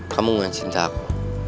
kamu gak cinta aku